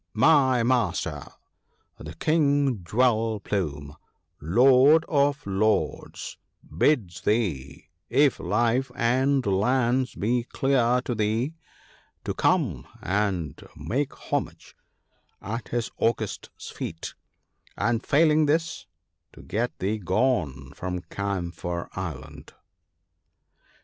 — My master, the King Jewel plume, Lord of Lords, bids thee, if life and lands be dear to thee, to come and make homage at his august feet; and failing this to get thee gone from Camphor island."